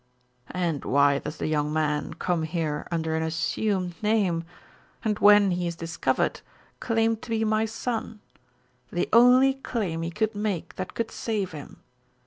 "And why does the young man come here under an assumed name, and when he is discovered, claim to be my son? The only claim he could make that could save him!